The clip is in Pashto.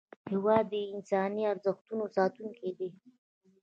هېواد د انساني ارزښتونو ساتونکی دی.